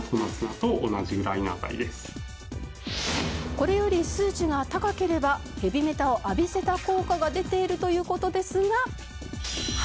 これより数値が高ければヘビメタを浴びせた効果が出ているという事ですが。